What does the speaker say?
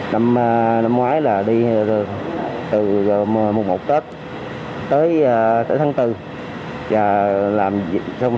năm ngoái là đi từ mùng một tết tới tháng bốn